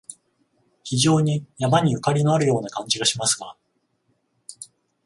非常に山に縁のあるような感じがしますが、